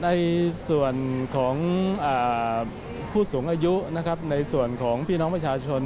ในส่วนของผู้สูงอายุนะครับในส่วนของพี่น้องประชาชน